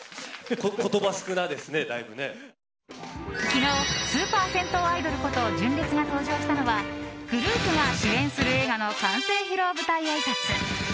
昨日スーパー銭湯アイドルこと純烈が登場したのはグループが主演する映画の完成披露舞台あいさつ。